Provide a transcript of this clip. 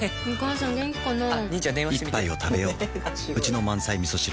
一杯をたべよううちの満菜みそ汁